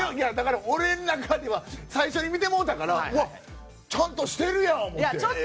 俺の中では最初に見てもうたからうわ、ちゃんとしてるやんって思って。